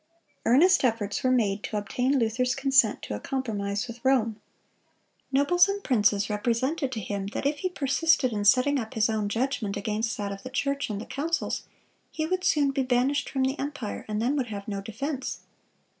Earnest efforts were made to obtain Luther's consent to a compromise with Rome. Nobles and princes represented to him that if he persisted in setting up his own judgment against that of the church and the councils, he would soon be banished from the empire, and then would have no defense.